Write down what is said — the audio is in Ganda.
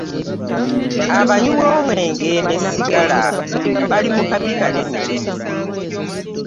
Abanywi b'omwenge ne sigal bali mu kabi kanene.